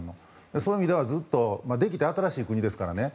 そういう意味ではできて新しい国ですからね。